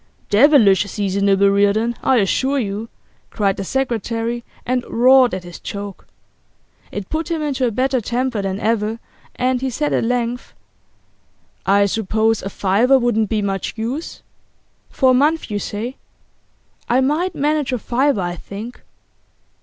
'Devilish seasonable, Reardon, I assure you!' cried the secretary, and roared at his joke. It put him into a better temper than ever, and he said at length: 'I suppose a fiver wouldn't be much use? For a month, you say? I might manage a fiver, I think.